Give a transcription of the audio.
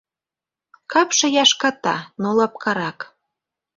Капше яшката, но лапкарак.